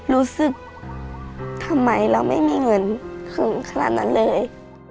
รู้สึกทำไมเราไม่มีเงินถึงขนาดนั้นเลย